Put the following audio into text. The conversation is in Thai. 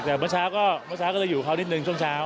เมื่อเช้าก็จะอยู่เค้านิดนึงช่วงเช้า